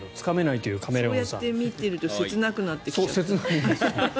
そうやって見てると切なくなってきますね。